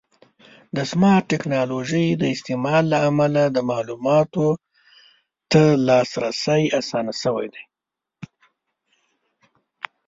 د سمارټ ټکنالوژۍ د استعمال له امله د معلوماتو ته لاسرسی اسانه شوی دی.